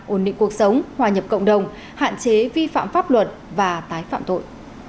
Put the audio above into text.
ổn định cuộc sống hòa nhập cộng đồng hạn chế vi phạm pháp luật và tái phạm tội